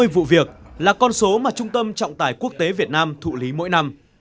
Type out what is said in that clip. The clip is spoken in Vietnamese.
một trăm năm mươi vụ việc là con số mà trung tâm trọng tài quốc tế việt nam thụ lý mỗi năm